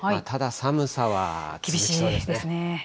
ただ、寒さは厳しそうですね。